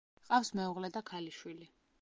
ჰყავს მეუღლე და ქალიშვილი.